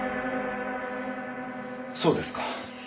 そうですか。